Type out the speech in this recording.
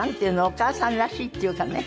お母さんらしいっていうかね。